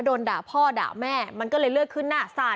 ก็มีส่วนิดหนึ่งด่าพ่อด่าแม่มันก็เลยเลือกขึ้นหน้า